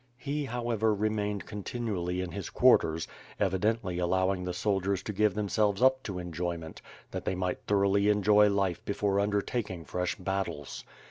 He, how ever, remained continually in his quarters, evidently allowing the soldiers to give themselves up to enjoyment, that they might thoroughly enjoy life before undertaking fresh battles.